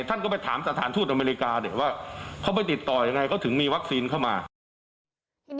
ท่านก็ไปถามสถานทูตอเมริกาเนี่ยว่าเขาไปติดต่อยังไงเขาถึงมีวัคซีนเข้ามา